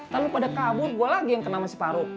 kan lo pada kabur gue lagi yang kena sama si faruk